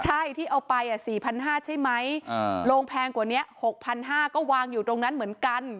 ใช่ที่เอาไปอ่ะสี่พันห้าใช่ไหมอ่าโรงแพงกว่านี้หกพันห้าก็วางอยู่ตรงนั้นเหมือนกัน